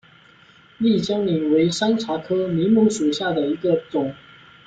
丽江柃为山茶科柃木属下的一个种。